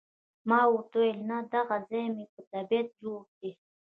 ما ورته وویل، نه، دغه ځای مې په طبیعت جوړ دی.